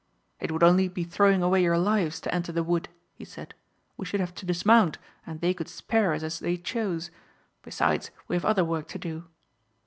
"It would only be throwing away your lives to enter the wood," he said. "We should have to dismount, and they could spear us as they chose. Besides, we have other work to do."